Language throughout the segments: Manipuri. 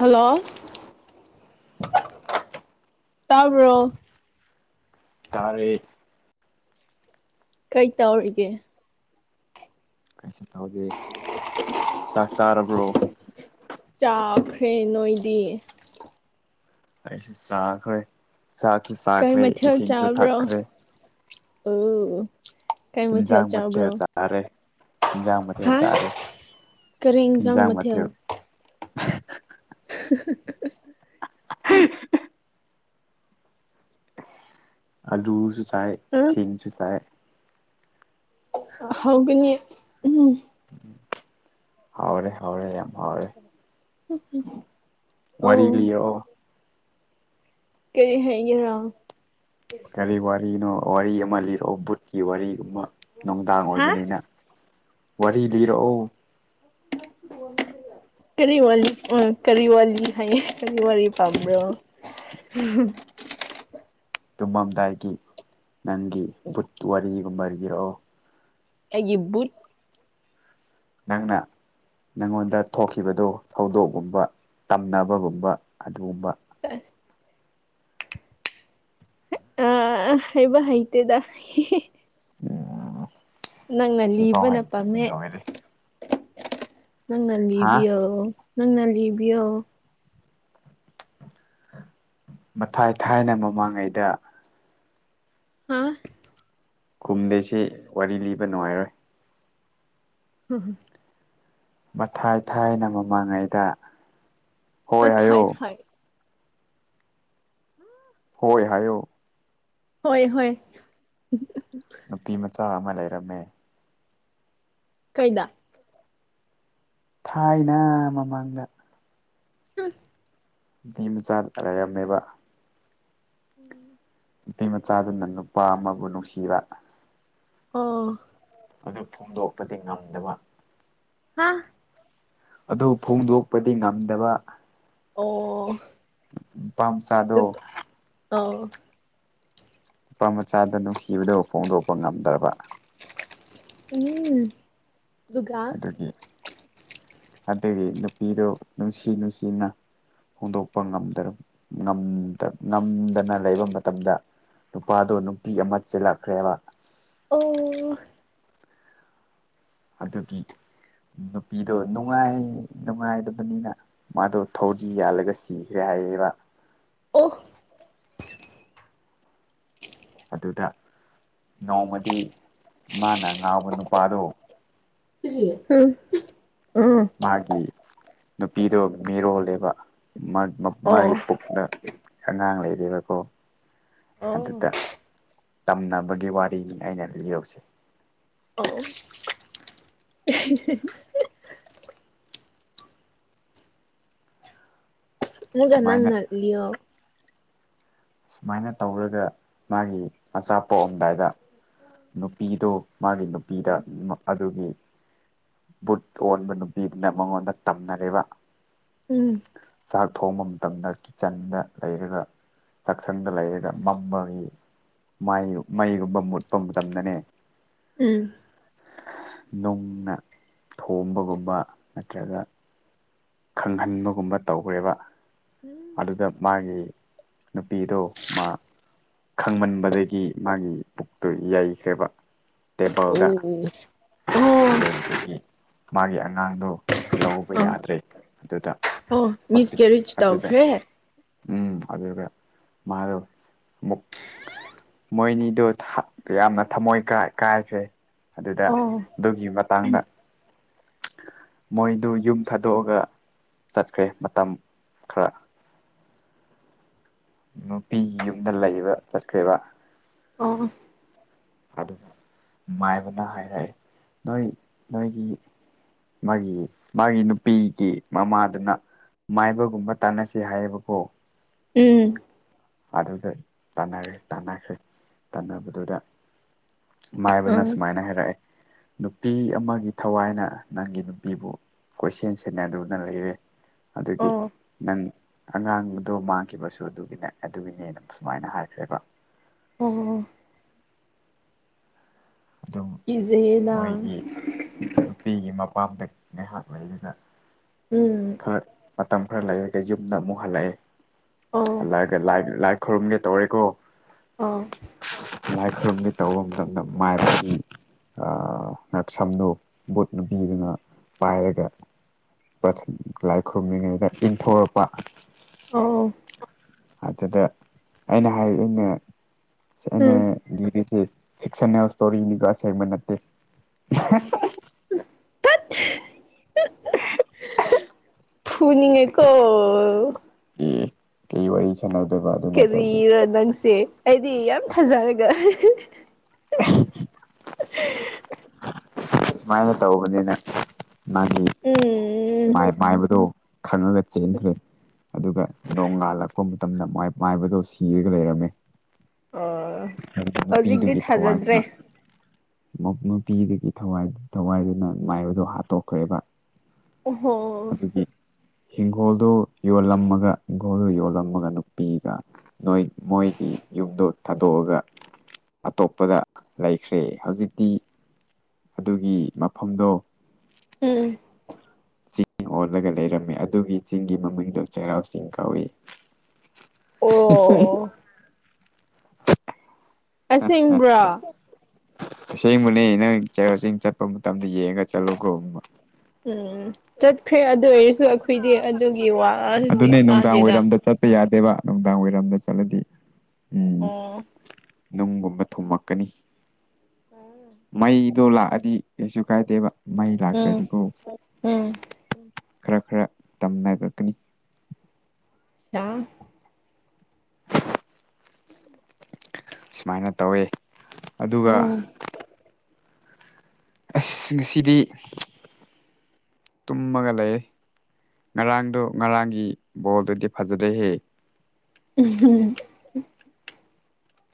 ꯍꯜꯂꯣ ꯇꯥꯕ꯭ꯔꯣ ꯇꯥꯔꯦ ꯀꯩ ꯇꯧꯔꯤꯒꯦ ꯀꯩꯁꯨ ꯇꯧꯗꯦ ꯆꯥꯛ ꯆꯥꯔꯕ꯭ꯔꯣ ꯆꯥꯈ꯭ꯔꯦ ꯅꯣꯏꯗꯤ ꯑꯩꯁꯨ ꯆꯥꯈ꯭ꯔꯦ ꯆꯥꯛꯁꯨ ꯀꯩ ꯆꯥꯈ꯭ꯔꯦ ꯃꯊꯦꯜ ꯏꯁꯤꯡꯁꯨ ꯆꯥꯕ꯭ꯔꯣ ꯊꯛꯈ꯭ꯔꯦ ꯑꯣ ꯀꯩ ꯃꯊꯦꯜ ꯆꯥꯕ꯭ꯔꯣ ꯇꯔꯦ ꯍꯥꯥ ꯀꯔꯤ ꯏꯟꯖꯡ ꯃꯊꯦꯜ [unintelligible] ꯑꯂꯨꯁꯨ ꯆꯥꯏ ꯎꯝ ꯏꯁꯤꯡꯁꯨ ꯆꯥꯏ ꯍꯧꯒꯅꯤ ꯎꯝ ꯍꯥꯎꯔꯦ ꯍꯥꯎꯔꯦ ꯌꯥꯝ ꯍꯥꯎꯔꯦ [unintelligible] ꯋꯥꯔꯤ ꯂꯤꯔꯛꯑꯣ ꯀꯔꯤ ꯍꯥꯏꯒꯦꯔꯣ ꯀꯔꯤ ꯋꯥꯔꯤꯅꯣ ꯋꯥꯔꯤ ꯑꯃ ꯂꯤꯔꯛꯑꯣ ꯕꯨꯠꯀꯤ ꯋꯥꯔꯤꯒꯨꯝꯕ ꯅꯨꯡꯗꯥꯡ ꯍꯥ ꯑꯣꯏꯕꯅꯤꯅ ꯋꯥꯔꯤ ꯂꯤꯔꯛꯑꯣ ꯀꯔꯤ ꯋꯥꯔꯤ ꯑ ꯀꯔꯤ ꯋꯥꯔꯤ ꯍꯥꯏꯌꯦ ꯀꯔꯤ ꯋꯥꯔꯤ ꯄꯝ꯭ꯕꯔꯣ ꯇꯨꯃꯝꯗꯥꯏꯒꯤ ꯅꯪꯒꯤ ꯕꯨꯠ ꯋꯥꯔꯤꯒꯨꯝꯕ ꯔꯤꯔꯛꯑꯣ ꯑꯩꯒꯤ ꯕꯨꯠ ꯅꯪꯅ ꯅꯉꯣꯟꯗ ꯊꯣꯛꯈꯤꯕꯗꯣ ꯊꯧꯗꯣꯛꯒꯨꯝꯕ ꯇꯝꯅꯕꯒꯨꯝꯕ ꯑꯗꯨꯒꯨꯝꯕ [unintelligible] ꯑ ꯍꯩꯕ ꯍꯩꯇꯦꯗ ꯑꯣ ꯅꯪꯅ ꯁꯤꯐꯧ ꯂꯤꯕꯅ ꯍꯩꯇꯔ꯭ꯗꯤ ꯄꯥꯝꯃꯦ ꯂꯣꯏꯔꯦ ꯅꯪꯅꯥ ꯍꯥ ꯂꯤꯕꯤꯌꯣ ꯅꯪꯅꯥ ꯂꯤꯕꯤꯌꯣ ꯃꯊꯥꯏ ꯊꯥꯏꯅ ꯃꯃꯥꯡꯉꯩꯗ ꯍꯥ ꯈꯨꯝꯗꯦꯁꯤ ꯋꯥꯔꯤ ꯂꯤꯕ ꯅꯨꯡꯉꯥꯏꯔꯣꯏ [unintelligible] ꯃꯊꯥꯏ ꯊꯥꯏꯅ ꯃꯃꯥꯡꯉꯩꯗ ꯍꯣꯏ ꯍꯥꯏꯌꯨ ꯃꯊꯥꯏ ꯊꯥꯏ ꯍꯣꯏ ꯍꯥꯏꯌꯣ ꯍꯣꯏ ꯍꯣꯏ ꯅꯨꯄꯤ ꯃꯆꯥ ꯑꯃ ꯂꯩꯔꯝꯃꯦ ꯀꯩꯗ ꯊꯥꯏꯅ ꯃꯃꯥꯡꯗ [unintelligible] ꯅꯨꯄꯤ ꯃꯆꯥ ꯂꯩꯔꯝꯃꯦꯕꯥ [inaudible] ꯅꯨꯄꯤꯃꯆꯥꯗꯨꯅ ꯅꯨꯄꯥ ꯑꯃꯕꯨ ꯅꯨꯡꯁꯤꯕ ꯑꯣ ꯑꯗꯨ ꯐꯣꯡꯗꯣꯛꯄꯗꯤ ꯉꯝꯗꯕ ꯍꯥꯥ ꯑꯗꯨ ꯐꯣꯡꯗꯣꯛꯄꯗꯤ ꯉꯝꯗꯕ ꯑꯣ ꯅꯨꯄꯥ ꯃꯆꯥꯗꯣ ꯑꯗꯨ ꯑꯣ ꯅꯨꯄꯥ ꯃꯆꯥꯗ ꯅꯨꯡꯁꯤꯕꯗꯣ ꯐꯣꯡꯗꯣꯛꯄ ꯉꯝꯗ꯭ꯔꯕ ꯎꯝ ꯑꯗꯨꯒ ꯑꯗꯨꯒꯤ ꯑꯗꯨꯗꯒꯤ ꯅꯨꯄꯤꯗꯨ ꯅꯨꯡꯁꯤ ꯅꯨꯡꯁꯤꯅ ꯍꯣꯡꯗꯣꯛꯄ ꯉꯝꯗ ꯉꯝꯗꯅ ꯂꯩꯕ ꯃꯇꯝꯗ ꯅꯨꯄꯥꯗꯣ ꯅꯨꯄꯤ ꯑꯃ ꯆꯦꯜꯂꯛꯈ꯭ꯔꯦꯕ ꯑꯣ ꯑꯗꯨꯒꯤ ꯅꯨꯄꯤꯗꯣ ꯅꯨꯡꯉꯥꯏ ꯅꯨꯡꯉꯥꯏꯗꯕꯅꯤꯅ ꯃꯥꯗꯣ ꯊꯧꯗꯤ ꯌꯥꯜꯂꯒ ꯁꯤꯈ꯭ꯔꯦ ꯍꯥꯏꯌꯦꯕ ꯑꯣ ꯑꯗꯨꯗ ꯅꯣꯡꯃꯗꯤ ꯃꯥꯅ ꯉꯥꯎꯕ ꯅꯨꯄꯥꯗꯣ ꯎꯝ ꯃꯥꯒꯤ ꯅꯨꯄꯤꯗꯣ ꯃꯤꯔꯣꯜꯂꯦꯕ ꯑꯣ ꯃꯥꯒꯤ ꯄꯨꯛꯇ ꯑꯉꯥꯡ ꯂꯩꯔꯦꯕꯀꯣ ꯑꯣ ꯑꯗꯨꯗ ꯇꯝꯅꯕꯒꯤ ꯋꯥꯔꯤꯅꯤ ꯑꯩꯅ ꯂꯤꯁꯩ ꯑꯣ [unintelligible] ꯁꯨꯃꯥꯏꯅ ꯅꯪꯅ ꯂꯤꯌꯣ ꯁꯨꯃꯥꯏꯅ ꯇꯧꯔꯒ ꯃꯥꯒꯤ ꯃꯥꯆꯥ ꯄꯣꯛꯑꯝꯗꯥꯏꯗ ꯅꯨꯄꯤꯗꯨ ꯃꯥꯒꯤ ꯅꯨꯄꯤꯗ ꯑꯗꯨꯒꯤ ꯕꯨꯠ ꯑꯣꯟꯕ ꯅꯨꯄꯤꯗꯨꯅ ꯃꯉꯣꯟꯗ ꯇꯝꯅꯔꯦꯔꯤꯕ ꯎꯝ ꯆꯥꯛ ꯊꯣꯡꯕ ꯃꯇꯝꯗ ꯀꯤꯠꯆꯟꯗ ꯂꯩꯔꯒ ꯆꯥꯛꯁꯪꯗ ꯂꯩꯔꯒ ꯃꯝꯕꯒꯤ ꯃ ꯃꯩꯒꯨꯝꯕ ꯃꯨꯠꯄ ꯃꯇꯝꯗꯅꯦ ꯎꯝ ꯅꯨꯡꯅ ꯊꯣꯝꯕꯒꯨꯝꯕ ꯅꯠꯇ꯭ꯔꯒ ꯈꯪꯍꯟꯕꯒꯨꯝꯕ ꯇꯧꯈ꯭ꯔꯦꯕ ꯑꯗꯨꯗ ꯃꯥꯒꯤ ꯅꯨꯄꯤꯗꯣ ꯃꯥ ꯈꯪꯃꯟꯕꯗꯒꯤ ꯃꯥꯒꯤ ꯄꯨꯛꯇꯣ ꯌꯥꯩꯈ꯭ꯔꯦꯕ ꯑꯣ ꯑꯣ ꯌꯩꯕꯒꯤ ꯃꯥꯒꯤ ꯑꯉꯥꯡꯗꯣ ꯂꯧꯕ ꯑ ꯌꯥꯗ꯭ꯔꯦ ꯑꯗꯨꯗ ꯑꯣ ꯍꯣꯁꯄꯤ ꯃꯤꯁꯀꯦꯔꯤꯖ ꯑꯗꯨꯗ ꯇꯧꯈ꯭ꯔꯦ ꯎꯝ ꯑꯗꯨꯒ ꯃꯥꯗꯣ ꯑꯃꯨꯛ ꯃꯣꯏꯅꯤꯗꯣ ꯌꯥꯝꯅ ꯊꯃꯣꯏ ꯀꯥꯏꯈ꯭ꯔꯦ ꯑꯗꯨꯗ ꯑꯣ ꯑꯗꯨꯒꯤ ꯃꯇꯥꯡꯗ ꯃꯣꯏꯗꯨ ꯌꯨꯝ ꯊꯥꯗꯣꯛ ꯑꯒ ꯆꯠꯈ꯭ꯔꯦ ꯃꯇꯝ ꯈꯔ ꯅꯨꯄꯤꯒꯤ ꯌꯨꯝꯗ ꯂꯩꯕ ꯆꯠꯈ꯭ꯔꯦꯕ ꯑꯣ ꯑꯗꯨ ꯃꯥꯏꯕꯅ ꯍꯥꯏꯔꯛꯑꯦ ꯅꯣꯏ ꯅꯣꯏꯒꯤ ꯃꯥꯒꯤ ꯃꯥꯒꯤ ꯅꯨꯄꯤꯒꯤ ꯃꯃꯥꯗꯨꯅ ꯃꯥꯏꯕꯒꯨꯝꯕ ꯇꯥꯟꯅꯁꯤ ꯍꯥꯏꯌꯦꯕꯀꯣ ꯎꯝ ꯑꯗꯨꯗ ꯇꯥꯟꯅꯈꯔꯦ ꯇꯥꯟꯅꯈ꯭ꯔꯦ ꯇꯥꯟꯅꯕꯗꯨꯗ ꯃꯥꯏꯕꯅ ꯑꯥ ꯁꯨꯃꯥꯏꯅ ꯍꯥꯏꯔꯛꯑꯦ ꯅꯨꯄꯤ ꯑꯃꯒꯤ ꯊꯋꯥꯏꯅ ꯅꯪꯒꯤ ꯅꯨꯄꯤꯕꯨ ꯀꯣꯏꯁꯦꯟ ꯁꯦꯟꯅꯗꯨꯅ ꯂꯩꯔꯦ ꯑꯗꯨꯒꯤ ꯑꯣ ꯅꯪ ꯑꯉꯥꯡꯗꯣ ꯃꯥꯡꯈꯤꯕꯁꯨ ꯑꯗꯨꯒꯤꯅꯦ ꯑꯗꯨꯒꯤꯅꯦꯅ ꯁꯨꯃꯥꯏꯅ ꯍꯥꯏꯈ꯭ꯔꯦꯕ ꯑꯣ ꯑꯗꯨꯝ ꯀꯤꯖꯩꯗꯥ ꯃꯣꯏꯒꯤ ꯅꯨꯄꯤꯒꯤ ꯃꯄꯥꯝꯗꯩ ꯉꯥꯏꯍꯥꯛ ꯂꯩꯗꯨꯅ ꯎꯝ꯫ ꯈꯔ ꯃꯇꯝ ꯈꯔ ꯂꯩꯔꯒ ꯌꯨꯝꯗ ꯑꯃꯨꯛ ꯍꯜꯂꯛꯑꯦ ꯑꯣ ꯍꯜꯂꯛꯑꯒ ꯂꯥꯏꯛ ꯂꯥꯏ ꯈꯨꯔꯨꯝꯒꯦ ꯇꯧꯔꯦꯀꯣ ꯑꯥ ꯂꯥꯏ ꯈꯨꯔꯨꯝꯒꯤ ꯇꯧꯕ ꯃꯇꯝꯗ ꯃꯥꯏ ꯉꯥꯛꯁꯝꯗꯨꯣ ꯕꯨꯠ ꯅꯨꯨꯕꯤꯗꯨꯅ ꯄꯥꯏꯔꯒ ꯭ꯔ ꯂꯥꯏ ꯈꯨꯔꯨꯝꯃꯤꯉꯩꯗ ꯏꯟꯊꯣꯔꯛꯄ ꯑꯣ ꯑꯗꯨꯗ ꯑꯩꯅ ꯍꯥꯏꯔꯤꯅ ꯎꯝ ꯑꯩꯅ ꯂꯤꯒꯁꯦ꯫ ꯁꯟꯅꯜ ꯏꯁꯇꯣꯔꯤꯅꯤꯒꯣ ꯑꯁꯦꯡꯕ ꯅꯠꯇꯦ ꯇꯠ ꯄꯅꯤꯡꯉꯦꯀꯣ ꯑꯦ ꯀꯩ ꯋꯥꯔꯤ ꯁꯥꯟꯅꯗꯔꯕ ꯑꯗꯨ ꯅꯠꯇꯕꯗꯤ ꯗꯪꯁꯦ ꯑꯩꯗꯤ ꯌꯥꯝ ꯊꯥꯖꯔꯒ [unintelligible] ꯁꯨꯃꯥꯏꯅ ꯇꯧꯕꯅꯤꯅ ꯃꯥꯒꯤ ꯎꯝ ꯃꯥꯏꯕꯗꯨ ꯈꯪꯉꯒ ꯆꯦꯟꯈ꯭ꯔꯦ ꯑꯗꯨꯒ ꯅꯣꯡꯉꯥꯜꯂꯛꯄ ꯃꯇꯝꯗ ꯃꯥꯏ ꯃꯥꯏꯕꯗꯣ ꯁꯤꯔꯒ ꯂꯩꯔꯝꯃꯦ ꯑꯣ ꯍꯥꯏꯕꯗꯤ ꯍꯧꯖꯤꯛꯇꯤ ꯅꯨꯄꯤꯗꯨꯒꯤ ꯊꯥꯖꯗ꯭ꯔꯦ ꯊꯋꯥꯏꯗꯨꯅ ꯅꯨꯄꯤꯗꯨꯒꯤ ꯊꯋꯥꯏꯗꯨ ꯊꯋꯥꯏꯗꯨꯅ ꯃꯥꯏꯕꯗꯣ ꯍꯥꯠꯇꯣꯛꯈ꯭ꯔꯦꯕ꯫ ꯑꯣ ꯍꯣ ꯍꯤꯡꯈꯣꯜꯗꯨ ꯌꯣꯜꯂꯝꯃꯒ ꯍꯤꯡꯈꯣꯜꯗꯨ ꯌꯣꯜꯂꯝꯃꯒ ꯅꯨꯄꯤꯒ ꯅꯣꯏ ꯃꯣꯏꯒꯤ ꯌꯨꯝꯗꯣ ꯊꯥꯗꯣꯛꯑꯒ ꯑꯇꯣꯞꯄꯗ ꯂꯩꯈ꯭ꯔꯦ ꯍꯧꯖꯤꯛꯇꯤ ꯑꯗꯨꯒꯤ ꯃꯐꯝꯗꯣ ꯎꯝ ꯆꯤꯡ ꯑꯣꯜꯂꯒ ꯂꯩꯔꯝꯃꯤ ꯑꯗꯨꯒꯤ ꯆꯤꯡꯒꯤ ꯃꯃꯤꯡꯗꯣ ꯆꯩꯔꯥꯎ ꯆꯤꯡ ꯀꯧꯏ ꯑꯣ UNINTELLIGIBLE ꯑꯁꯦꯡꯕ꯭ꯔꯥ ꯑꯁꯦꯡꯕꯅꯦ ꯅꯪ ꯆꯔꯣ ꯆꯤꯡ ꯆꯠꯄ ꯃꯇꯝꯗ ꯌꯦꯡꯉꯒ ꯆꯠꯂꯨꯀꯣꯕ ꯎꯝ ꯆꯠꯈ꯭ꯔꯦ ꯑꯗꯨ ꯑꯣꯏꯔꯁꯨ ꯑꯩꯈꯣꯏꯗꯤ ꯑꯗꯨꯒꯤ ꯋꯥꯗꯤ ꯑꯗꯨꯅꯦ ꯅꯨꯡꯗꯥꯡ ꯇꯥꯗꯦꯗ ꯋꯥꯏꯔꯝꯗ ꯆꯠꯄ ꯌꯥꯗꯦꯕ ꯅꯨꯡꯗꯥꯡ ꯋꯥꯏꯔꯝꯗ ꯆꯠꯂꯗꯤ ꯎꯝ ꯑꯣ ꯅꯨꯡꯒꯨꯝꯕ ꯊꯨꯝꯃꯛꯀꯅꯤ ꯃꯩ ꯑꯗꯣ ꯂꯥꯛꯑꯗꯤ ꯀꯩꯁꯨ ꯀꯥꯏꯗꯦꯕ ꯃꯩ ꯎꯝ ꯂꯥꯛꯇ꯭ꯔꯗꯤꯀꯣ ꯎꯝ ꯈꯔ ꯈꯔ ꯇꯝꯅꯔꯛꯀꯅꯤ ꯑ ꯁꯨꯃꯥꯏꯅ ꯇꯧꯋꯦ ꯑꯗꯨꯒ ꯎꯝ ꯑꯁ ꯉꯁꯤꯗꯤ ꯇꯨꯝꯃꯒ ꯂꯩ ꯉꯔꯥꯡꯗꯣ ꯉꯔꯥꯡꯒꯤ ꯕꯣꯜꯗꯨꯗꯤ ꯐꯖꯗꯩꯍꯦ ꯎ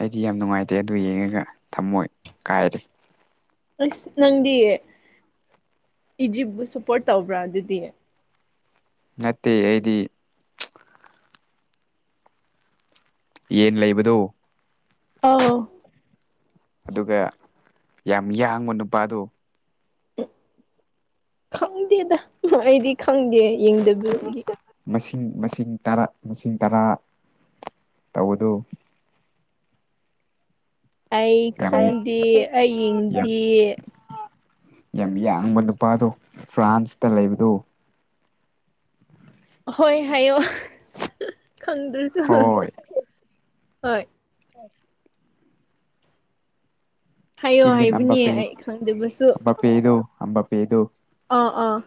ꯑꯩꯗꯤ ꯌꯥꯝ ꯅꯨꯡꯉꯥꯏꯇꯦ ꯑꯗꯨ ꯌꯦꯡꯉꯒ ꯊꯝꯃꯣꯏ ꯀꯥꯏꯔꯦ ꯑꯁ ꯅꯪꯗꯤ ꯏꯖꯤꯞꯄꯨ ꯁꯞꯄꯣꯔꯠ ꯇꯧꯕ꯭ꯔꯥ ꯑꯗꯨꯗꯤ ꯅꯠꯇꯦ ꯑꯩꯗꯤ ꯌꯦꯟ ꯂꯩꯕꯗꯨ ꯑꯥꯎ ꯑꯗꯨꯒ ꯌꯥꯝ ꯌꯥꯡꯕ ꯅꯨꯄꯥꯗꯣ ꯈꯪꯗꯦꯗ ꯑꯩꯗꯤ ꯈꯪꯗꯦ ꯌꯦꯡꯗꯕꯒꯤ ꯃꯁꯤꯡ ꯃꯁꯤꯡ ꯇꯔꯥ ꯃꯁꯤꯡ ꯇꯔꯥ ꯇꯧꯕꯗꯨ ꯑꯩ ꯌꯥꯝ ꯈꯪꯗꯦ ꯑꯩ ꯌꯥꯝ ꯌꯦꯡꯗꯦ ꯌꯥꯝ ꯌꯥꯡꯕ ꯅꯨꯄꯥꯗꯣ ꯐ꯭ꯔꯥꯟꯁꯇ ꯂꯩꯕꯗꯣ ꯍꯣꯏ ꯍꯥꯏꯌꯣ ꯈꯪꯗ꯭ꯔꯁꯨ ꯍꯣꯏ꯫ ꯑꯣ ꯊꯥꯏꯌꯣ ꯍꯥꯏꯕꯅꯦ ꯑꯩ ꯈꯪꯗꯕꯁꯨ ꯄꯦꯗꯨ ꯑꯝꯕ ꯄꯦꯗꯨ ꯑꯥ ꯑꯥ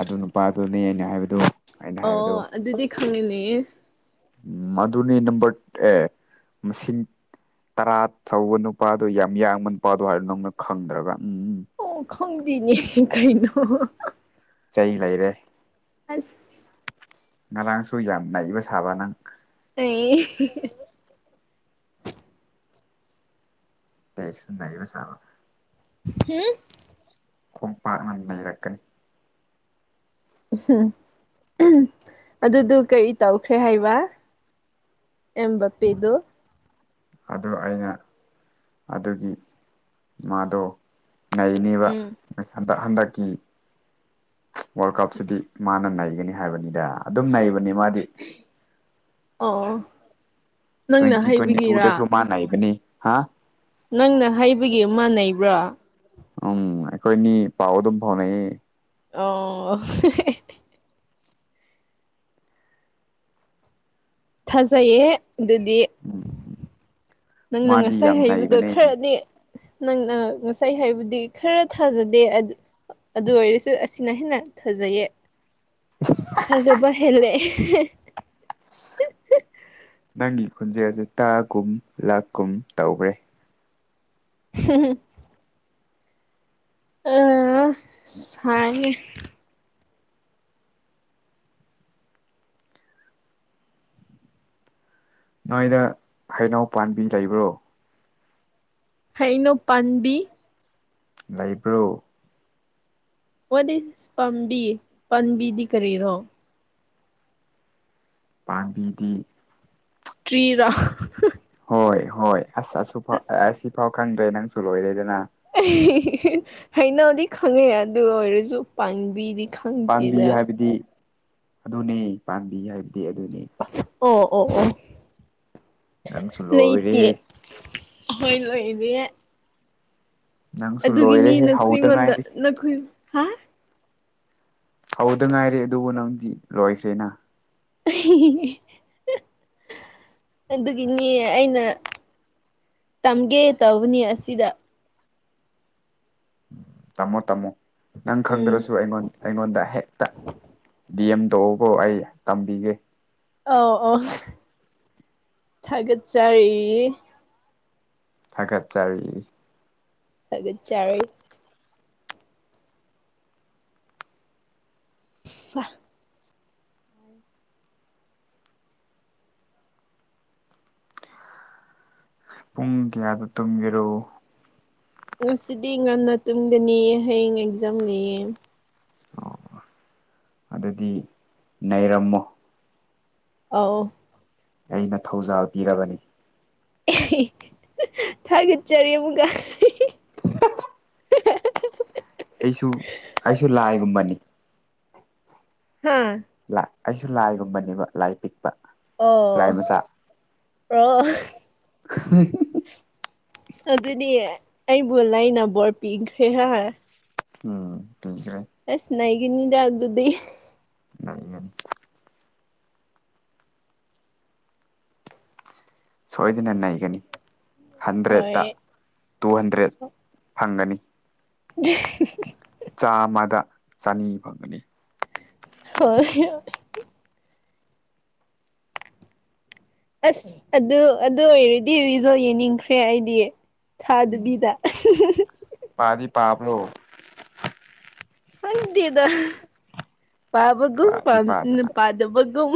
ꯑꯗꯨ ꯅꯨꯄꯥꯗꯨꯅꯦ ꯑꯩꯅ ꯍꯥꯏꯕꯗꯨꯣ ꯑꯣ ꯑꯗꯨꯗꯤ ꯈꯪꯉꯤꯅꯦ ꯃꯗꯨꯅꯤ ꯅꯝꯕꯔ ꯑꯦ ꯃꯁꯤ ꯇꯔꯥ ꯊꯧꯕ ꯅꯨꯄꯥꯗꯣ ꯌꯥꯝ ꯌꯥꯡꯕ ꯅꯨꯄꯥꯗꯣ ꯍꯥꯏꯔꯣ ꯅꯪꯅ ꯈꯪꯗ꯭ꯔꯒ ꯎꯝ ꯎꯝ ꯈꯣꯡꯗꯤꯅꯤ ꯀꯩꯅꯣ ꯆꯩ ꯂꯩꯔꯦ ꯑꯁ ꯉꯔꯥꯡꯁꯨ ꯌꯥꯝꯅꯏꯕ ꯁꯥꯕ ꯅꯪ UNINTELLIGIBLE ꯇꯦꯛꯁ ꯂꯩꯏꯕ ꯁꯥꯥꯕ ꯍꯥꯝ ꯈꯣꯡꯝꯄꯥꯛꯅ ꯂꯩꯔꯛꯀꯅꯤ ꯎꯝ ꯑꯗꯨꯗꯨ ꯀꯔꯤ ꯇꯧꯈ꯭ꯔꯦ ꯍꯥꯏꯕ ꯑꯦꯝ ꯄꯤꯗꯨ ꯑꯗꯨ ꯑꯩꯅ ꯑꯗꯨꯒꯤ ꯃꯥꯗꯣ ꯅꯩꯅꯦꯕ ꯎꯝ ꯍꯟꯗꯛ ꯍꯟꯗꯛꯀꯤ ꯋꯥꯔꯜ ꯀꯞꯁꯤꯗꯤ ꯃꯥꯅ ꯅꯩꯒꯅꯤ ꯍꯥꯏꯕꯅꯤꯗ ꯑꯗꯨꯝ ꯅꯩꯕꯅꯤ ꯃꯥꯗꯤ ꯑ ꯇ꯭ꯋꯦꯟꯇꯤ ꯇ꯭ꯋꯦꯟꯇꯤ ꯇꯁꯨ ꯃꯥꯕꯅꯤ ꯍꯥ ꯅꯪꯅ ꯍꯩꯕꯒꯤ ꯃꯥꯟꯅꯩꯕ꯭ꯔꯣ ꯎꯝ ꯑꯩꯈꯣꯏꯅꯤ ꯄꯥꯎ ꯑꯗꯨꯝ ꯐꯥꯎꯅꯩꯑ ꯑꯣ ꯍꯦ ꯍꯦ ꯊꯥꯖꯩꯌꯦ ꯑꯗꯨꯗꯤ ꯎꯝ ꯅꯪꯅ ꯃꯥꯗꯤ ꯉꯁꯥꯏ ꯌꯥꯝ ꯍꯩꯕꯗꯣ ꯅꯩꯕꯅꯦ ꯈꯔꯅꯤ ꯅꯪ ꯉꯁꯥꯏ ꯍꯥꯏꯕꯗꯤ ꯈꯔ ꯊꯥꯖꯗꯦ ꯑꯗꯨ ꯑꯣꯏꯔꯁꯨ ꯑꯁꯤꯅ ꯍꯦꯟꯅ ꯊꯥꯖꯩꯌꯦ ꯐꯖꯕ ꯍꯦꯂꯛꯑꯦ ꯅꯪꯒꯤ ꯈꯨꯟꯖꯦꯜꯁ ꯇꯥꯒꯨꯝ ꯂꯥꯛ ꯀꯨꯝ ꯇꯧꯈ꯭ꯔꯦ UNINTELLIGIBLE ꯑ ꯁꯥꯡꯉꯦ ꯅꯣꯏꯗ ꯍꯩꯅꯎ ꯄꯥꯝꯕꯤ ꯂꯩꯕ꯭ꯔꯣ ꯍꯩꯅꯨ ꯄꯥꯟꯕꯤ ꯂꯩꯕ꯭ꯔꯣ ꯋꯥꯠ ꯏꯁ ꯄꯥꯝꯕꯤ ꯄꯥꯝꯕꯤꯗꯤ ꯀꯔꯤꯔꯣ ꯄꯥꯝꯕꯤꯗꯤ ꯇꯦꯔꯤ ꯔꫭ ꯍꯣꯏ ꯍꯣꯏ ꯑꯁ ꯑꯁꯨ ꯐꯥꯎ ꯑꯁꯤꯐꯥꯎ ꯈꯪꯗ꯭ꯔꯦ ꯅꯪꯁꯨ ꯂꯣꯏꯔꯦꯗꯅ ꯍꯩꯅꯧꯗꯤ ꯈꯪꯉꯦ ꯑꯗꯨ ꯑꯣꯏꯔꯁꯨ ꯄꯥꯝꯕꯤꯗꯤ ꯄꯥꯝꯕꯤ ꯈꯪꯗꯦꯗ ꯍꯥꯏꯕꯗꯤ ꯑꯗꯨꯅꯤ ꯄꯥꯝꯕꯤ ꯍꯥꯏꯕꯗꯤ ꯑꯗꯨ ꯑꯣ ꯑꯣ ꯑꯣ ꯅꯪꯁꯨ ꯂꯩꯇꯦ ꯂꯣꯏꯔꯦꯍꯦ ꯍꯣꯏ ꯂꯣꯏ ꯏꯗꯤ ꯅꯪꯁꯨ ꯑꯗꯨꯒꯤꯅꯤ ꯂꯣꯏꯔꯦꯍꯦ ꯅꯈꯣꯏ ꯍꯧꯗ ꯑꯩꯉꯣꯟꯗ ꯉꯥꯏꯔꯤ ꯅꯈꯣꯏ ꯍꯥ ꯍꯗ ꯉꯥꯏꯔꯦ ꯑꯗꯨꯕꯨ ꯅꯪꯗꯤ ꯂꯣꯏꯈ꯭ꯔꯦꯅ ꯍꯝ ꯑꯗꯨꯒꯤꯅꯦ ꯑꯩꯅ ꯇꯝꯒꯦ ꯇꯧꯕꯅꯤ ꯑꯁꯤꯗ ꯇꯝꯃꯣ ꯇꯝꯃꯣ ꯅꯪ ꯎꯝ ꯈꯪꯗ꯭ꯔꯁꯨ ꯑꯩꯉꯣꯟ ꯑꯩꯉꯣꯟꯗ ꯍꯦꯛꯇ ꯗꯤ ꯑꯦꯝ ꯇꯧꯑꯣꯀꯣ ꯑꯩ ꯇꯝꯕꯤꯒꯦ ꯑꯥꯎ ꯑꯣ ꯊꯥꯒꯠꯆꯔꯤ ꯊꯒꯠꯆꯔꯤ ꯊꯥꯒꯠꯆꯔꯤ [unintelligible] ꯄꯨꯡ ꯀꯌꯥꯗ ꯇꯨꯝꯒꯦꯔꯣ ꯉꯁꯤꯗꯤ ꯉꯟꯅ ꯇꯨꯡꯒꯅꯤ ꯍꯌꯦꯡ ꯑꯦꯛꯖꯥꯝ ꯂꯩꯌꯦ ꯑꯗꯨꯗꯤ ꯅꯩꯔꯝꯃꯣ ꯑꯥꯎ ꯑꯩꯅ ꯊꯧꯖꯥꯜ ꯄꯤꯔꯕꯅꯤ [unintelligible] ꯊꯥꯒꯠꯆꯔꯤ ꯑꯃꯨꯛꯀ ꯑꯩꯁꯨ ꯑꯩꯁꯨ ꯂꯥꯏꯒꯨꯝꯕꯅꯤ ꯍꯝ ꯂꯥꯏ ꯑꯩꯁꯨ ꯂꯥꯏꯒꯨꯝꯕꯅꯦꯕ ꯂꯥꯏ ꯄꯤꯛꯄ ꯂꯥꯏ ꯑꯣ ꯃꯆꯥ [unintelligible] [unintelligible] ꯑꯗꯨꯅꯦ ꯑꯩꯕꯨ ꯂꯩꯅ ꯕꯣꯔ ꯄꯤꯈ꯭ꯔꯦ ꯍꯥꯏ ꯎꯝ ꯄꯦꯟꯖ꯭ꯔꯦ ꯑꯁ ꯅꯩꯒꯅꯤꯗ ꯑꯗꯨꯗꯤ ꯂꯩꯅꯤ ꯁꯣꯏꯗꯅ ꯅꯩꯒꯅꯤ ꯍꯟꯗ꯭ꯔꯦꯠꯇ ꯍꯣꯏ ꯇꯨ ꯍꯟꯗ꯭ꯔꯦꯠ ꯐꯪꯒꯅꯤ [unintelligible] ꯆꯥꯝꯃꯗ ꯆꯅꯤ ꯐꯪꯒꯅꯤ ꯍꯣꯏ ꯑꯁ ꯑꯗꯨ ꯑꯗꯨ ꯑꯣꯏꯔꯗꯤ ꯔꯤꯖꯜ ꯌꯦꯡꯅꯤꯡꯈ꯭ꯔꯦ ꯑꯩꯗꯤ ꯎꯝ ꯊꯥꯗꯕꯤꯗ ꯄꯥꯗꯤ ꯄꯥꯕ꯭ꯔꯣ ꯈꯪꯗꯦꯗ ꯄꯥꯕꯒꯨꯝ ꯄꯥꯗꯤ ꯄꯥꯗꯅ ꯄꯥꯗꯕꯒꯨꯝ